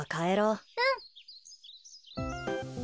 うん。